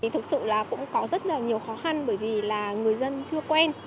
thực sự là cũng có rất là nhiều khó khăn bởi vì là người dân chưa quen